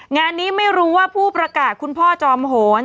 งานนี้ไม่รู้ว่าผู้ประกาศคุณพ่อจอมโหน